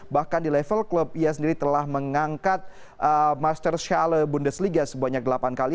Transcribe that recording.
bahkan di level klub ia sendiri telah mengangkat master shalo bundesliga sebanyak delapan kali